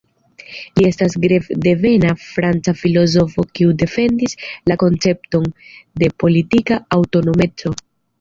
Li estas grekdevena franca filozofo kiu defendis la koncepton de "politika aŭtonomeco".